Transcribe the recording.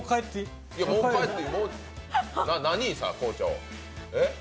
もう帰って何さ、校長？